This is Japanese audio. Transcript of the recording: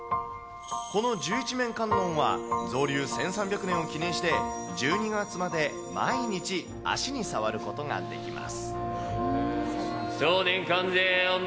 この十一面観音は、造立１３００年を記念して、１２月まで毎日、足に触ることができます。